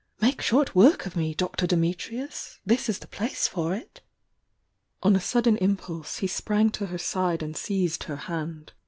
"Make short work of me, Dr. Dimitrius!— this is the place for it!" ,.^ On a sudden impulse he sprang to her side ana seized her hand.